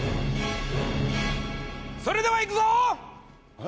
それではいくぞ！